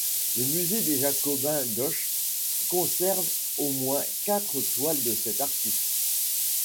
Le musée des Jacobins d'Auch conserve au moins quatre toiles de cet artiste.